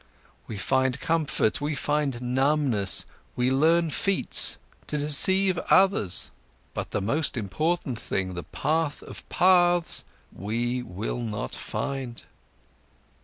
We find comfort, we find numbness, we learn feats, to deceive others. But the most important thing, the path of paths, we will not find."